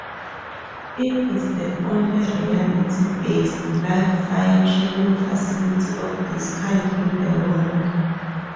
It is the only reality-based, live-fire training facility of this kind in the world.